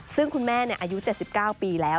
ซึ่งคุณแม่อายุ๗๙ปีแล้ว